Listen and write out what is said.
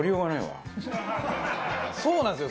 そうなんですよ。